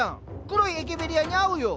黒いエケベリアに合うよ。